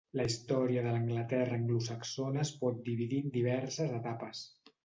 La història de l'Anglaterra anglosaxona es pot dividir en diverses etapes.